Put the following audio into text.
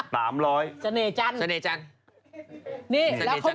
เสน่ห์จันทร์เสน่ห์จันทร์